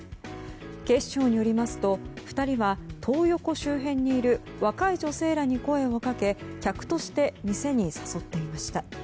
警視庁によりますと２人はトー横周辺にいる若い女性らに声をかけ客として店に誘っていました。